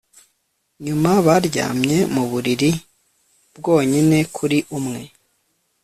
nyuma, baryamye muburiri bwonyine kuri umwe